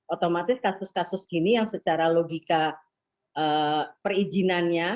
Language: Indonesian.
otomatis kasus kasus gini yang secara logika perizinannya